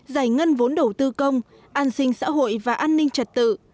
giải ngân vốn đầu tư công an sinh xã hội và an ninh trật tự